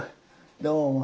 どうも。